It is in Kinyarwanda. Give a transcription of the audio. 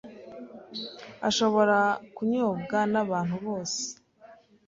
ashobora kunyobwa n’abantu bose